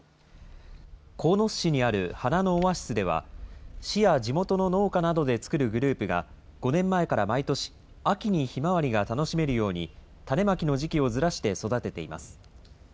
鴻巣市にある花のオアシスでは、市や地元の農家などで作るグループが、５年前から毎年、秋にひまわりが楽しめるように、種まきの時期をずらして育てています。